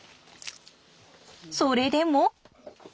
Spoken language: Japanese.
それでも。